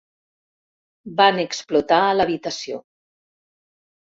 Van explotar a l'habitació.